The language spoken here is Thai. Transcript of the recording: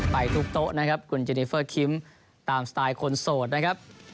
ไปทุกโต๊ะนะครับคุณเจนิเฟอร์คิมตามสไตล์คนโสดนะครับ